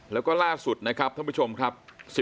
แล้วก็ล่าสุดนะครับท่านผู้ชมครับ